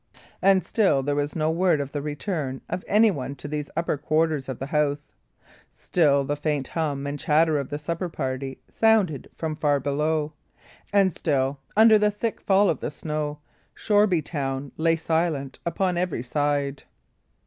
And still there was no word of the return of any one to these upper quarters of the house; still the faint hum and clatter of the supper party sounded from far below; and still, under the thick fall of the snow, Shoreby town lay silent upon every side.